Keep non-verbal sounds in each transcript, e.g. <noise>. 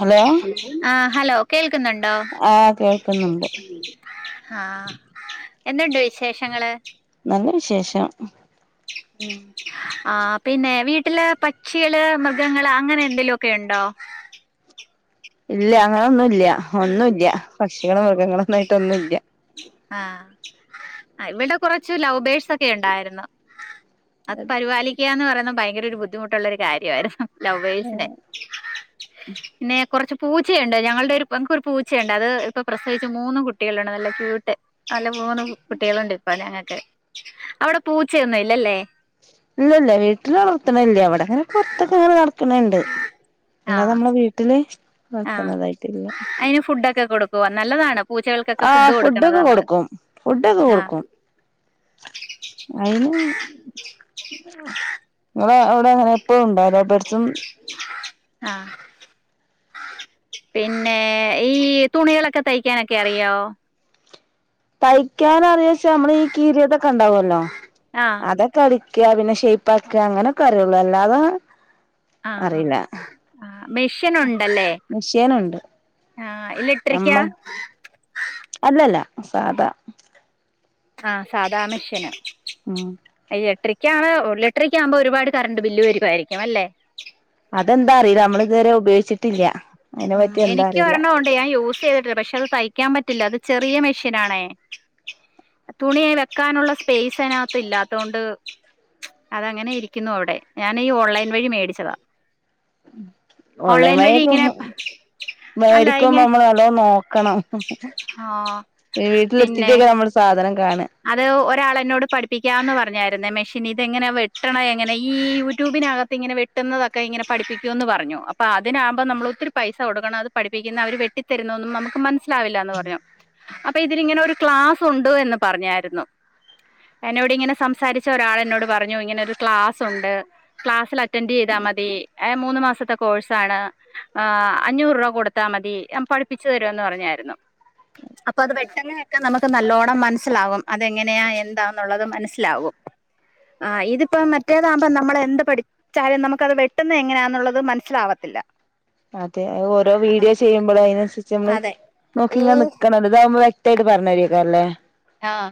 Hello ആ hello കേ ന്നുണ്ടോ ആഹ് കേൾക്കുന്നുണ്ട് ഹാഹ് എന്തുണ്ട് വിശേഷങ്ങള് നല്ല വിശേഷം ഉം ആ പിന്നേ വീട്ടില് പക്ഷികള് മൃഗങ്ങള് അങ്ങനെന്തെലുക്കെയുണ്ടോ <unintelligible> ഇല്ല അങ്ങനൊന്നുംല്ല്യ ഒന്നുംല്ല്യ പക്ഷികളും മൃഗങ്ങളൊന്നായിട്ടൊന്നൂല്യ ആഹ് ഇവിടെ കൊറച്ചു ലൗബേഴ്സ് ഒക്കെ ഉണ്ടായിരുന്നു അത് പരിപാലിക്കുക എന്ന് പറയുന്ന ഭയങ്കരൊരു ബുദ്ധിമുട്ടുള്ളരു കാര്യായിരുന്നു. ലവ്വേഴ്സിന്റെ പിന്നെ കുറച്ച് പൂച്ചയുണ്ട് ഞങ്ങളുടെ ഒരു ങ്ങക്ക് ഒരു പൂച്ചയുണ്ട് അത് ഇപ്പൊ പ്രസവിച്ചു മൂന്നു കുട്ടികളാണ് നല്ല ക്യൂട്ട് നല്ല മൂന്ന് കു കുട്ടികളുണ്ട് ഇപ്പൊ ഞങ്ങക്ക് അവിടെ പൂച്ചയൊന്നും ഇല്ലല്ലേ ഇല്ലല്ല വീട്ടില് വരണണ്ട് ആഹ് അല്ലാതനമ്മള വീട്ടില് വളർത്തണതായിട്ടില്ല കൊടുക്കുവാ നല്ലതാണ് പൂച്ചകൾക്കൊക്കെ ഫുഡ് ആഹ് കൊടുക്കണത് ഫുഡൊക്കെ നമ്മള് കൊടുക്കും ഫുഡൊക്കെ ആ കൊടുക്കും അയിന് ഇള അവിടെഅവിടെ എപ്പോഴും ഉണ്ടാവും ലൗബിഡ്സും ആഹ് പിന്നേ ഈ തുണികളൊക്കെ തയ്ക്കാനൊക്കെ അറിയോ തയ്ക്കാനറിയ പക്ഷെ നമ്മളെ ഈ കീറീതൊക്കെണ്ടാവല്ലോ ആഹ് അതൊക്കെ അടി ക്ക പിന്നെ ഷെയ്പാക്കാ അങ്ങനൊക്കെറിയുള്ളൂ അല്ലാതെ ആഹഹ അറിയില്ല ആ മെഷ്യൻ ഉണ്ടല്ലേ മിഷീനുണ്ട് ആ അമ്മ ഇലക്ട്രിക്ക്യാ അല്ലല്ല സാധാ ആഹ് സാദാ മഷ്യനാ ഉം ഇലട്രിക്കാണ് ഒര് ഇലട്രിക്കാവുമ്പോ ഒരുപാട് കറണ്ട് ബില്ല് വരുവായിരിക്കും അല്ലേ അതെന്താ അറിയില്ല നമ്മള് ഇതുവരെ ഉപയോഗിച്ചിട്ടില്ല അതിനെ ഉം പറ്റി എന്താ എനിക്ക് അറിയില്ല ഒരെണണ്ട് ഞാൻ യൂസ് ചെയ്തിട്ടില്ല പക്ഷെ അത് തയ്ക്കാൻ പറ്റില്ല അത് ചെറിയ മെഷീനാണേ തുണിയായി വെക്കാനുള്ള സ്പേസ് അതിനകത്ത് ഇല്ലാതോണ്ട് അതങ്ങനെ ഇരിക്കുന്നുവിടെ ഞൻ ഈ ഓൺലൈൻ വഴി മേടിച്ചതാ ഓൺലൈൻ വഴി ഇങ്ങനെ ഓൺലൈനിവഴിക്കാവുമ്പോ അല്ല മേടിക്കുമ്പോ ഇങ്ങനെ നമ്മൾ നല്ലോം നോക്കണം ആഹ് പിന്നെ വീട്ടിലെത്തിട്ടൊക്കെ നമ്മള് സാധനം കാണ അത് ഒരാളെന്നോട് പഠിപ്പിക്കാന്ന് പറഞ്ഞായിരുന്ന മെഷീ പിന്നെതെങ്ങനെ വെട്ടണ എങ്ങനെ ഈ യൂട്യൂബിനകത്ത് ഇങ്ങനെവെട്ടുന്നതൊക്കെ ഇങ്ങനെ പഠിപ്പിക്കുന്ന് പറഞ്ഞു അം അപ്പ അതിനാവുമ്പോ നമ്മള് ഒത്തിരിപൈസ കൊടുക്കണം അത് പഠിപ്പിക്കുന്ന അവര് വെട്ടി തരുന്ന തൊന്നും നമ്മുക്ക് മനസ്സി ലാവില്ലാന്ന് പറഞ്ഞു അപ്പൊ ഇതിലിങ്ങനെ ഒരു ക്ലാസ് ഉണ്ട് എന്ന് പറഞ്ഞായിരുന്നു എന്നോട് ഇങ്ങനെ സംസാരിച്ച ഒരാൾ എന്നോട് പറഞ്ഞു ഇങ്ങനെ ഒരു ക്ലാസ്സുണ്ട് ക്ലാസ്സിൽ അറ്റൻഡ് ചീതാ മതി അയ മൂന്ന് മാസത്തെ കോഴ്സാണ് എ് അഞ്ഞൂറ് രൂപ കൊടുത്താ മതി അം പഠിപ്പിച്ചു തരുന്ന് പറഞ്ഞായിരുന്നു അപ്പൊ അത് വെട്ടുന്നൊങ്ങക്കെ നമുക്ക് നല്ലോണ്ണം മനസ്സിലാകും അതെങ്ങനെയാ എന്താന്നുള്ളത് മനസ്സിലാവും ആ ഇതിപ്പം മറ്റേതാമ്പോ നമ്മൾ എന്ത് പഠിച്ചാലും നമുക്കത് വെട്ടുന്ന എങ്ങനാന്നുള്ളത് മനസ് സിലാവത്തില്ല അതെ ഓരോ വീഡിയോ ചെയ്യുമ്പള് അയിനനുസരിച്ച് നമ്മള് അതെ നോക്കി ഈ ഇങ്ങനെ നിക്കണംല്ലോ ഇതാവുമ്പോ വെ ക്തായിട്ട് പറഞ്ഞരിക്ക അല്ലേ ആഹ്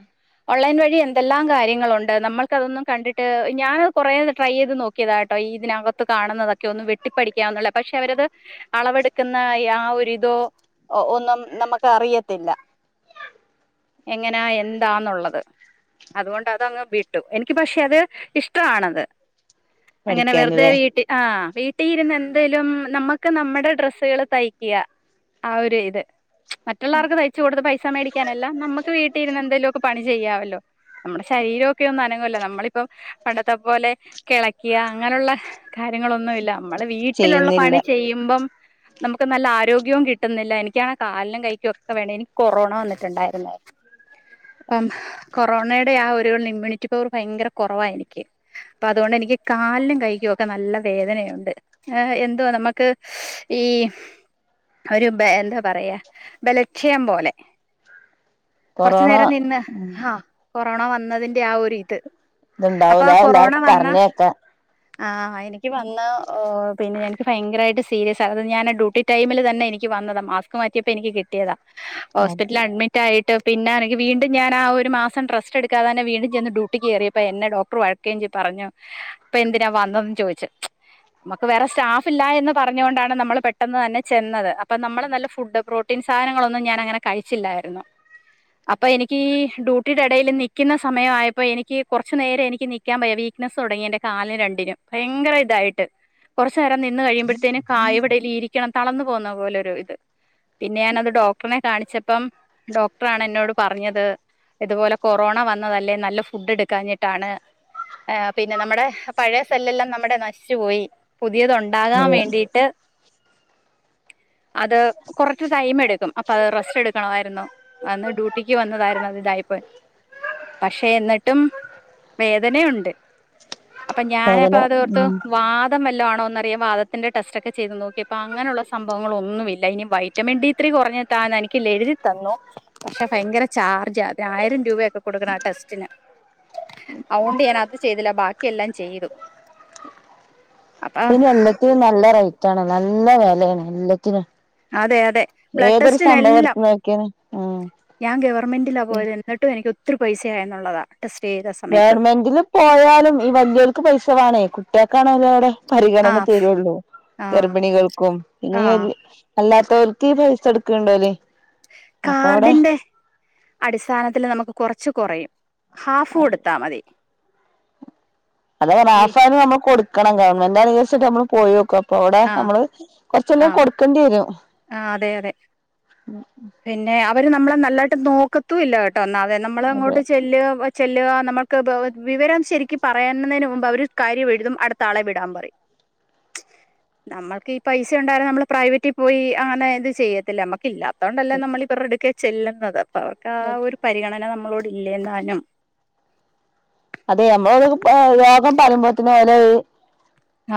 ഓൺലൈൻ വഴി എന്തെല്ലാം കാര്യങ്ങളുണ്ട് നമ്മൾക്കതൊന്നും കണ്ടിട്ട് ഞാനത് കുറേ ട്രൈ ചെയ്ത് നോക്കിയതാട്ടോ അ ഇതിനകത്ത് കാണുന്നതൊക്കെ ഒന്നു വെട്ടിപ്പഠിക്കാവന്നുള്ളേ പക്ഷെ അവരത് അളവെടുക്കുന്ന ആ ഒരു ഇതോ ഒന്നും നമുക്ക് അറിയത്തില്ല എങ്ങനാ എന്താന്നുള്ളത് അതുകൊണ്ട് അതങ്ങ് വിട്ടു എനിക്ക് പക്ഷെ അത് ഇഷ്ടവാണത് അങ്ങനെ വെറുതെ പഠിക്കാനല്ലേ വീട്ടി ആ വീ ട്ടിയിരുന്ന് എന്തേലും നമ്മുക്ക് നമ്മടെ ഡ്രസ്സുകള് തയ്ക്ക ആ ഒരു ഇത് പ്ച് മറ്റുള്ളവർക്ക് തയ്ച്ചു കൊടുത്ത് പൈസ മേടിക്കാനല്ല നമ്മക്ക് വീട്ടി ഇരുന്ന് എന്തെലു ഒക്കെ പണി ചെയ്യാവല്ലോ നമ്മുടെ ശരീരൊക്കെ ഒന്നു അനങ്ങല്ലോ നമ്മളിപ്പ പണ്ടത്തെ പോലെ കെളക്ക അങ്ങനുള്ള കാര്യങ്ങളൊന്നുല്ല മ്മള് വീട്ടിലുള്ള ചെയ്യുന്നില്ല പണി ചെയ്യുമ്പം നമുക്ക് നല്ല ആരോഗ്യവും കിട്ടുന്നില്ല എനിക്കാണെ കാലിനും കൈക്കും ഒക്കെ വേണേ എനിക്ക് കൊറോണ വന്നിട്ടുണ്ടായിരുന്നേ അപ്പം കൊറോണയുടെ ആ ഒരു ഇമ്മ്യൂണിറ്റി പവർ ഭയങ്കര കൊറവാ എനിക്ക് അപ്പ അതോണ്ട് എനിക്ക് കാലിനും കൈക്കും ഒക്കെ നല്ല വേദനയുണ്ട് ഏഹ് എന്തുവാ നമക്ക് സ് ഈ ഒരു ബ എന്താ പറയാ ബലക്ഷയം പോലെ കൊറച്ച് കൊറോണ നേരം നിന്ന് ഉം ആഹ് കൊറോണ വന്നതിന്റെ ആ ഒരു ഇത് ഇത്ണ്ടാവൂല ന അത എല്ലാർക്കും പറഞ്ഞേക്ക ആഹ് എനിക്ക് വന്ന ഓ പിന്നെ എനിക്ക് ഭയങ്കരായിട്ട് സീരിയസ അത് ഞാന് ഡ്യൂട്ടി ടൈമില് തന്നെ എനിക്ക് വ ന്നതാ മാസ്ക് മാറ്റിയപ്പോ എനിക്ക് കിട്ടിയതാ അത് ഹോസ്പിറ്റലഡ്മി റ്റായിട്ട് പിന്നെ എനിക്ക് വീണ്ടും ഞാനാ ആ ഒരു മാസം റെസ്റ്റ് എടുക്കാതെന്നെ വീണ്ടും ചെന്ന് ഡ്യൂട്ടി കേറിയപ്പോ എന്നെ ഡോക്ടർ വഴ ക്കേഞ്ചി പറഞ്ഞു ഇപ്പൊ എന്തിനാ വന്നതെന്ന് ചോയ്ച്ച് മുക്ക് വേറെ സ്റ്റാഫ് ഇല്ല എന്ന് പറഞ്ഞുകൊണ്ടാണ് നമ്മള് പെട്ടന്നു തന്നെ ചെന്നത് അപ്പൊ നമ്മള് നല്ല ഫുഡ് പ്രോട്ടീൻ സായനങ്ങളൊന്നും ഞാനങ്ങനെ കഴിച്ചില്ലായിരുന്നു അപ്പൊ എനിക്ക് ഈ ഡ്യൂട്ടിയുടെ ഇടയിൽ നിൽക്കുന്ന സമയ ആയപ്പോ എനിക്ക് കൊറച്ചു നേരം എനിക്ക് നിക്കാൻ വയ്യ വീക്ക്നെസ്സ് തുടങ്ങി എന്റെ കാലിന് രണ്ടിനും ഭയങ്കര ഇതായിട്ട് കൊറ ച്ചേരം നിന്ന് കഴിയുമ്പോഴത്തേനും കായവിടേലും ഇരിക്കണം തളർന്നു പോവുന്ന പോലൊരു ഇത് പിന്നെ ഞാനത് ഡോക്ടറിനെ കാണിച്ചപ്പം ഡോക്ടറാണ് എന്നോട് പറഞ്ഞത് ഇതുപോലെ കൊറോണ വന്നതല്ലേ നല്ല ഫുഡ് എടുക്കഞ്ഞിട്ടാണ് ആ പിന്നെ നമ്മുടെ പഴേ സെല്ലെല്ലാം നമ്മുടെ നശിച്ചുപോയി പുതിയതു ഉണ്ടാകാൻ വേണ്ടിട്ട് അത് കൊറച്ച് ടൈം എടുക്കും അപ്പ അത് റസ്റ്റ് എടുക്കണമായിരുന്നു അന്ന് ഡ്യൂട്ടിക്ക് വന്നതായിരുന്നു അത് ഇതായിപ്പോ പക്ഷെ എന്നിട്ടും വേദനയുണ്ട് അപ്പൊ ഞാനപ്പ അങ്ങനെ അതോർത്തു ഉം വാതം വല്ലോ ആ ണോന്നറിയാൻ വാതത്തിന്റെ ടെസ്റ്റ് ഒക്കെ ചെയ്ത് നോക്കിപ്പോ അങ്ങനെയുള്ള സംഭവങ്ങളൊന്നും ഇല്ല ഇനി വൈറ്റമിൻ ഡി ത്രീ കൊറഞ്ഞിട്ടാ ട്ടാന്ന് എനിക്ക് ല് എഴുതി തന്നു പക്ഷെ ഭയങ്കര ചാർജ് അത് ആയിരം രൂപയൊക്കെ കൊടുക്കണം ആ ടെസ്റ്റിന് അവോണ്ട് ഞാൻ അത് ചെയ്തില്ല ബാക്കി എല്ലാം ചെയ്തു അപ്പൊ പിന്നെ എല്ലാത്തിനും നല്ലാ റേറ്റാണ് നല്ല വെലയാണ് എല്ലാ അതെ അതെ ബ്ലഡ് സംഭവം ടെസ്റ്റിനെല്ലാം എടുത്ത് നോക്കിയാലും ഉം ഞാൻ ഗവർമെന്റിലാ പോയത് എന്നിട്ടും എനിക്ക് ഒത്തിരി പൈസയാന്നോള്ളാതാ ഗവൺമെന്റില് പോയാലും ഈ വല്ല്യയവർക്ക് പൈസ വേണേ കുട്ടിക്കാണല്ലോ അവ്ടെ പരിഗണന ആഹ് തെരുള്ളൂ ആഹ് ഗർഭിണികൾക്കും ഇനി <unintelligible> ആഹ് അല്ലാത്തവക്കീ പൈസ എട്ക്കണ്ട്ല്ലോ കാർഡിന്റെ അടിസ്ഥാനത്തില് നമക്ക് കൊറച്ച് കൊറയും ഹാഫ് കൊടുത്താ മതി അതെ ഈ ഹാഫാണ് നമ്മക്ക് കൊടുക്കണം ഗവൺമെന്റ് <unintelligible> നമ്മള് പോയോക്കാം പ്പോട ആ നമ്മള് കൊറച്ച് എല്ലാം ആഹ് കൊടുക്കേണ്ടി വെരും ആഹ് അതെ അതെ പിന്നെ അവര് നമ്മളെ നല്ലായിട്ട് നോക്കത്തും ഇല്ലാ ട്ടേ ഒന്നാത് നമ്മള് അതെ അങ്ങോട്ട് ചെല്ലുവാ വ ചെല്ലുക നമ്മക്ക് വെ വിവരം ശെരിക്കും പറയാന്നതിന് മുമ്പ് അവര് കാര്യം എഴുതും അടുത്താളെ വിടാൻ പറയും നമ്മക്ക് ഈ പൈസ ഒണ്ടാരുന്നേ നമ്മള് പ്രൈവറ്റിൽ പോയി അങ്ങനെ ഇത് ചെയ്യത്തില്ലേ നമ്മക്ക് ഇല്ലാത്തോണ്ടല്ലേ നമ്മള് ഇവരുടെ അടുക്കെ ചെല്ലുന്നത് അപ്പം അവർക്ക് ആ ഒരു പരിഗണന നമ്മളോട് ഇല്ലേന്നാനും അതെ നമ്മള് ഒരു രോഗം പറയുമ്പോഴത്തേനും ഓല് ഒരു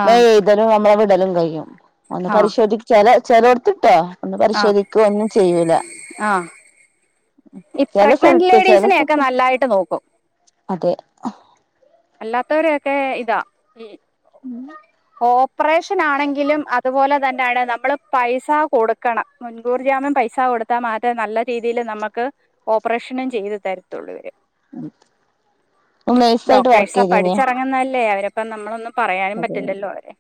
ആഹ് വേഗം എഴുതി തരും നമ്മളെ <unintelligible> ഒന്ന് ആഹ് പരിശോധിച്ചാല് ചെലടത്ത് കേട്ടോ ഒന്ന് ആഹ് പരിശോധിക്കോ ഒന്നും ചെയ്യൂല്ലാ ആഹ് ഈ ചെല പ്രഗ്നന്റ് സ്ഥലത്ത് ചെല ലേഡീസിനെയൊക്കെ സ്ഥലത്ത് നല്ലായിട്ട് നോക്കും അതേ അല്ലാത്തവരെയൊക്കെ ഇതാ ഉം ഉം ഓപ്പറേഷൻ ആണെങ്കിലും അതുപോലെ തന്നെയാണ് നമ്മള് പൈസ കൊടുക്കണം മുൻകൂർ ജാമ്യം പൈ സാ കൊടുത്താ മാത്രേ നല്ല രീതില് നമക്ക് ഓപ്പറേഷനും ചെയ്ത് തരത്തുള്ളൂ ഇവര് ഉം ഞാൻ നഴ്സായിട്ട് വർ ച്ചാ പഠിച്ചെറങ്ങുന്നല്ലേ അവര് അപ്പം നമ്മളൊന്നും പറയാനും അതെ പറ്റില്ലല്ലോ അവരെ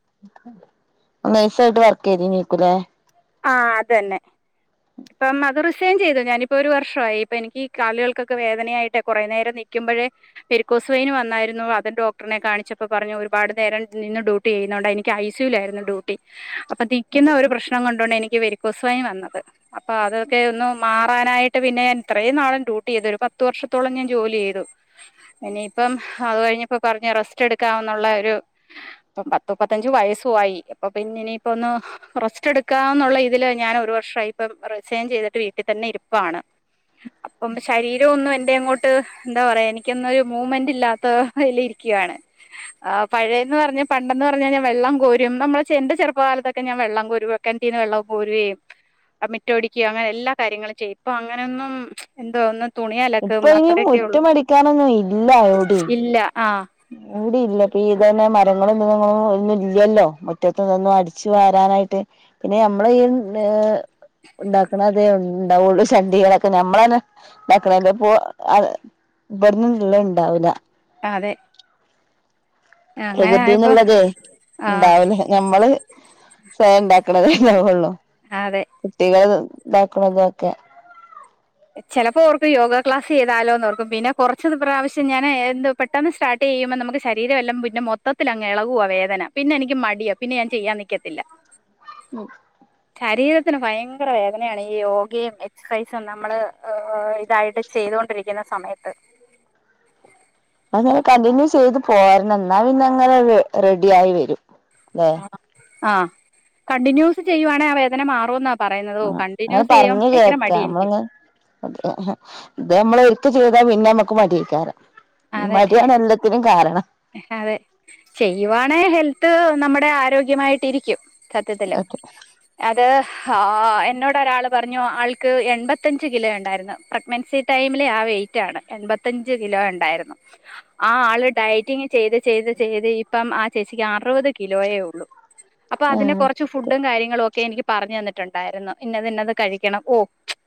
നഴ്സായിട്ട് വർക്ക് ചെയ്തിനീക്കുവല്ലേ ആ അത് തന്നെ ഇപ്പം അത് റിസൈൻ ചെയ്തു ഞാനിപ്പോ ഒര് വർഷവായി ഇപ്പോ എനിക്ക് ഈ കാലുകൾക്കൊക്കെ വേദനയായിട്ടേ കുറേ നേരം നിക്ക മ്പോഴെ വെരിക്കോസ് വെയിനും വന്നാരുന്നു അത് ഡോക്ടറിനെ കാണിച്ചപ്പോ പറഞ്ഞു ഒരുപാട് നേരം നിന്ന് ഡ്യൂട്ടി ചെയ്യുന്ന കൊ ണ്ടാ എനിക്ക് ഐ സി യുവിലാരുന്നു ഡ്യൂട്ടി അപ്പൊ നിക്കുന്ന ഒരു പ്രശ്നം കൊണ്ടാ ണ് എനിക്ക് വെരിക്കോസ് വെയിൻ വന്നത് അപ്പോ അതൊക്കെ ഒന്ന് മാറാനായിട്ട് പിന്നെ ഇത്രയും നാളും ഡ്യൂട്ടി ഇതൊരു പത്ത് വർഷത്തോളം ഞാൻ ജോലി ചെയ്തു ഇനിയിപ്പം അത് കഴിഞ്ഞപ്പോ പറഞ്ഞ് റെസ്റ്റ് എടുക്കാവുന്നൊ ഉള്ള ഒരു ഇപ്പോ പത്ത് മുപ്പത്തഞ്ച് വയസ്സുവായി അപ്പം പിന്നെ ഇനി ഇപ്പം ഒന്ന് റെസ്റ്റ് എടു ക്കാന്നുള്ള ഇതില് ഞാൻ ഒരു വർഷമായി ഇപ്പം റിസൈൻ ചെയ്തിട്ട് വീട്ടിൽ തന്നെ ഇരിപ്പാണ് അപ്പം ശരീരം ഒന്നും എന്റെ അങ്ങോട്ട് എന്താ പറയാ എനിക്കൊന്നും ഒര് മൂവ്മെന്റ് ഇല്ലാത്ത ഇതില് ഇരിക്കു രിക്കുവാണ് ആ പഴയതെന്ന് പറഞ്ഞാ പണ്ടെന്ന് പറഞ്ഞാ ഞാൻ വെള്ളം കോരും നമ്മള് എന്റെ ചെറുപ്പകാലത്തൊക്കെ ഞാൻ വെ വെള്ളം കോരുവേം കെണറ്റീന്ന് വെള്ളവൊക്കെ കോരുവേം മിറ്റടിക്കെ അങ്ങനെ എല്ലാ കാര്യങ്ങളും ചെയ്യും ഇപ്പം അങ്ങനൊന്നും എന്തോ ഒന്ന് തുണി അലക്കും ഇപ്പൊ ഇനി അത്രയൊക്കെ ഉള്ളൂ മുറ്റം അടിക്കാനൊന്നും ഇല്ല എവിടെയും ഇല്ല ആ <unintelligible> <unintelligible> ഒന്നും ഇല്ലല്ലോ മുറ്റത്ത് ഇതൊന്നും അടിച്ച് വാരാനായിട്ട് പിന്നെ ഞമ്മളെ ഈ ന്ന് ഉണ്ടാക്കണ <unintelligible> ഇവട്ന്ന് ള്ളത് ണ്ടാവൂല്ല അ അതെ അങ്ങനെ ആയപ്പോ പ്രകൃതിന്ന്ള്ളതേ ആ ണ്ടാവല് ഞമ്മള് സ്വയം ണ്ടാക്കണതേ ണ്ടാവൊള്ളൂ അതെ കുട്ടികൾ ഇതാക്കണോ ഇതൊക്കെ ചെലപ്പോ ഓർക്കും യോഗ ക്ലാസ് ചെയ്താലോന്ന് ഓർക്കും പിന്നെ കൊറച്ച് പ്രാവശ്യം ഞാൻ എന്ത് പെട്ടെന്ന് സ്റ്റാർട്ട് ചെ ചെയ്യുമ്പ നമുക്ക്‌ ശരീരെല്ലാം പിന്നെ മൊത്തത്തി അങ്ങ് എളകുവാ വേദന പിന്നെ എനിക്ക് മടിയ പിന്നെ ഞാൻ ചെയ്യാൻ നിക്കത്തില്ല. <unintelligible> ശരീരത്തിന് ഭയങ്കര വേദനയാണ് ഈ യോഗയും എക്സസൈസൊന്നും പറ്റ് നമ്മള് ഇതായിട്ട് ചെയ്തോണ്ടിരിക്കുന്ന സമേത്ത് കണ്ടിന്യൂ ചെയ്ത് പോരണം എന്നാൽ ന്നങ്ങനെ റെഡി ആയി വരും. അല്ലെ ആ ആ കണ്ടിന്യൂസ് ചെയ്യുവാണേ ആ വേദന മാറുന്നാ. ആ അത് പറഞ്ഞ് കേക്ക എനിക്ക് നമ്മളങ്ങ് ഇതെമ്മള് ഒരിക്കെ ചെയ് താ പിന്നെ മ്മക്ക് മടിയക്കാറ് ഈ അതെ മടിയാണ് എല്ലത്തിനും കാരണം. അതെ ചെയ്യുവാണേ ഹെൽത്ത് നമ്മടെ ആരോഗ്യമായിട്ടിരിക്കും. സത്യത്തില് അതെ അത് ഹാ എന്നോട് ടൊരാള് പറഞ്ഞു ആൾക്ക് എൺപത്തഞ്ച് കിലോ ഒണ്ടായിരുന്നു പ്രഗ്നൻസി ടൈമിലെ ആ വെയിറ്റ് ആണ് എൺപത്തഞ്ച് ഞ്ചു കിലോ ഒണ്ടായിരുന്നു ആ ആള് ഡയ റ്റിങ്ങ് ചെയ്ത് ചെയ്ത് ചെയ്ത് ഇപ്പം ആ ചേച്ചിക്ക് അറുവത് കിലോയേ ഉള്ളു. അപ്പ അതിന്റെ ആഹ് കൊറച്ച് ഫുഡും കാര്യങ്ങളു ക്കെ എനിക്ക് പറഞ്ഞ് തന്നിട്ടുണ്ടായിരുന്നു ഇന്നത് ഇന്നത് കഴിക്കണം ഓ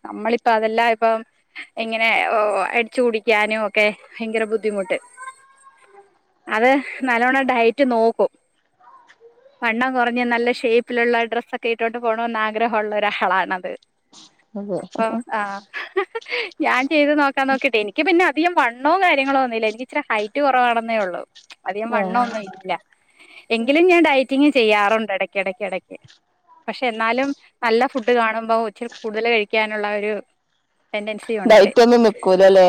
നമ്മളിപ്പ അതെല്ലാം ഇപ്പം ഇങ്ങനെ അടിച്ചു കുടിക്കാനുക്കെ ഭയങ്കര ബുദ്ധിമുട്ട്. അത് നല്ലവണം ഡയറ്റ് നോക്കും വണ്ണം കുറഞ്ഞ നല്ല ഷേപ്പിലുള്ള ഡ്രസ്സൊക്കെ ഇട്ടോണ്ട് പോണന്ന് ആഗ്രഹോള്ള ഒരാളാണത് അതെ അപ്പം ആ ഞാൻ ചെയ്ത് നോക്കാൻ നോക്കിട്ട് എനിക്ക് പിന്നെ അധികം വണ്ണോ കാര്യങ്ങളോന്നുല്ല എനിക്കിച്ചിരി ഹൈറ്റ് കുറവാണെന്നേ ഒള്ളൂ. അധികം ആഹ് വണ്ണോന്നുല്ല എങ്കിലും ഞാൻ ഡയറ്റിങ് ചെയ്യാറുണ്ട് എടക്കടക്ക്. ക്കെടെക്ക് പഷെ എന്നാലും നല്ല ഫുഡ് കാണുമ്പോ ഇച്ചിരെ കൂടുതല് കഴിക്കാൻ ള്ളൊരു ടെണ്ടൻസി ഒണ്ട് ഡയറ്റൊന്നും നിക്കൂലല്ലേ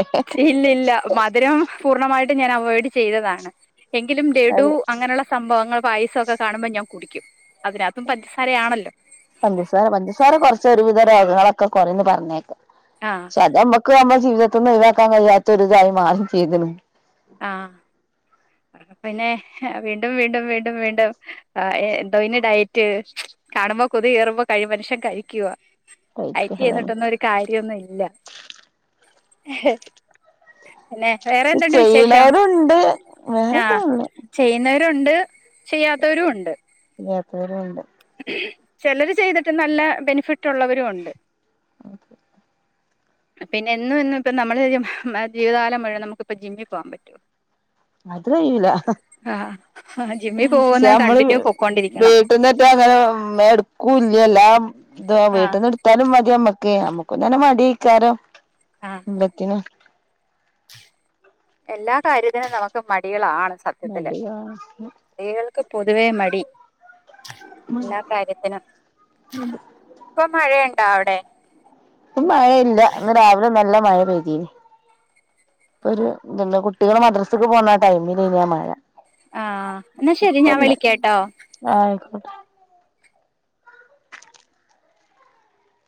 ഇല്ലില്ല മധുരം പൂർണമായി ട്ട് ഞൻ അവോയ്‌ഡ്‌ ചെയ്തതാണ് എങ്കിലും ലഡു അതെ അങ്ങനൊള്ള സംഭവങ്ങൾ പായസൊക്കെ കാണുമ്പോ ഞാൻ കുടിക്കും. അതിനകത്തും പഞ്ചസാരയാണല്ലോ പഞ്ചസാര പഞ്ചസാര കൊറച്ചാ ഒരുവിധ രോഗങ്ങളൊക്കെ കൊറയുന്ന് പറഞ്ഞേക്കാം. ആ ഷെ അതമ്മക്കു അമ്മ ജീവിതത്തിന്നൊഴുവാക്കാൻ കഴിയാത്ത ഒരിതായി മാറും ചെയ്തിന്. ആഹ് പിന്നെ വീണ്ടും വീണ്ടും വീണ്ടും വീണ്ടും ആ എന്തോയ്ന് ഡയെ റ്റ് കാണുമ്പ കൊതിയേറുമ്പോ മനുഷ്യൻ കഴിക്കുവ. റേറ്റ് ഐറ്റി അതാണ് ചെയ്തിട്ടൊന്നും ഒരു കാര്യൊന്നുല്ല. അന്നെ വേറെ എന്തുണ്ട് വി ല്ലാവരുണ്ട് <unintelligible> രുണ്ട് ചെയ്യാത്തവരും ഒണ്ട്. യ്യാത്തവരുണ്ട്. ചെലര് ചെയ്തിട്ട് നല്ല ബെനിഫിറ്റ് ഒള്ളവരും ഒണ്ട്. <inaudible> പിന്നെ എന്നും എന്നും ഇപ്പ നമ്മള് ജീവിതകാലം മുഴുവൻ നമുക്കിപ്പോ ജിമ്മിൽ പോവാൻ പറ്റോ? അത്കയൂല. ആഹ് ആഹ് ജിമ്മിൽ പോകുന്നത് നമ്മള് കണ്ടിന്യൂ പൊക്കോണ്ടിരിക്കണം വീട്ടിന്നറ്റ അങ്ങനെ എടുക്കൂ എല്ലാം ഇതു ആഹ് വീട്ടിന്നെടുത്താലും മതി മ്മക്ക് അമ്മക്കന്നേരം മടിയക്കാരോം ആഹ് എന്തക്കെണ്? എല്ലാ കാര്യത്തിനും നമുക്ക് മടികളാണ്. സത്യത്തില് മടി സ്ത്രീകൾക്ക് പൊതുവേ മടി എല്ലാ കാര്യത്തിനും ഇപ്പൊ മഴയൊണ്ടോ അവിടെ? മഴയില്ല ഇന്ന് രാവിലെ നല്ല മഴ പെയ്തിന്. ഇപ്പൊരു ഇത്ണ്ട് കുട്ടികള് മദ്രസക്ക് പോകുന്ന ടൈമിലിന് ആ മഴ. ആഹ് എന്നാ ശരി ഞാൻ ഇപ്പല്ല വിളിക്കാട്ടോ ആയിക്കോ